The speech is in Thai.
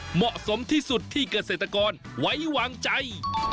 เหมาะสมที่สุดที่เกษตรกรไว้วางใจ